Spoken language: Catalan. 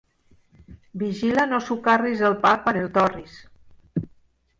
Vigila no socarris el pa, quan el torris!